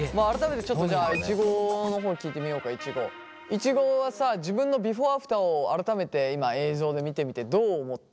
いちごはさ自分のビフォーアフターを改めて今映像で見てみてどう思った？